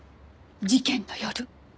事件の夜。